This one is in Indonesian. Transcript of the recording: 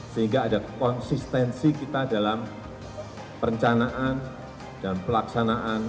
sehingga ada konsistensi kita dalam perencanaan dan pelaksanaan